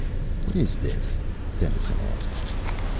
"What is this?" Dennison asked.